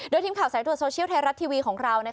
ทีมข่าวสายตรวจโซเชียลไทยรัฐทีวีของเรา